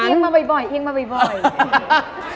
เยี่ยงมาบ่อย